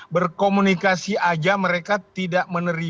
berkomunikasi saja mereka tidak menunjukkan